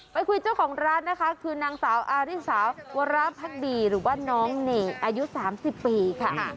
ไปคุยเจ้าของร้านนะคะคือนางสาวอาริสาวราพักดีหรือว่าน้องเน่อายุ๓๐ปีค่ะ